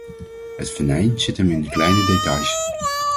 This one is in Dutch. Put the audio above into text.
Het venijn zit hem in de kleine details.